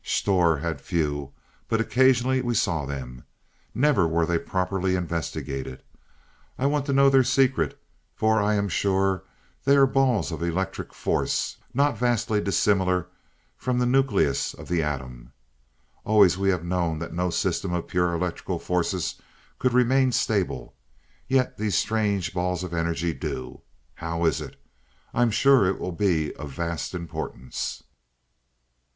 Sthor had few, but occasionally we saw them. Never were they properly investigated. I want to know their secret, for I am sure they are balls of electric forces not vastly dissimilar from the nucleus of the atom. Always we have known that no system of purely electrical forces could remain stable. Yet these strange balls of energy do. How is it? I am sure it will be of vast importance.